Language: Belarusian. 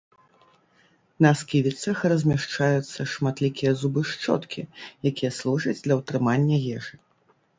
На сківіцах размяшчаюцца шматлікія зубы-шчоткі, якія служаць для ўтрымання ежы.